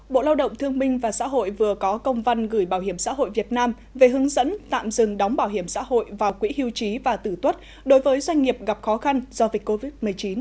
bộ lao động thương minh và xã hội vừa có công văn gửi bảo hiểm xã hội việt nam về hướng dẫn tạm dừng đóng bảo hiểm xã hội vào quỹ hưu trí và tử tuất đối với doanh nghiệp gặp khó khăn do dịch covid một mươi chín